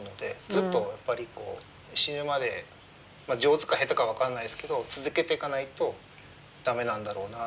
ずっとやっぱりこう死ぬまで上手か下手かは分かんないですけど続けていかないと駄目なんだろうなと思いますね。